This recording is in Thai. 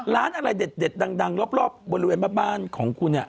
ร้านอะไรเด็ดดังรอบบริเวณบ้านของคุณเนี่ย